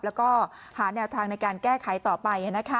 แล้วก็หาแนวทางในการแก้ไขต่อไป